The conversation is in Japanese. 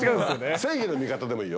正義の味方でもいいよ。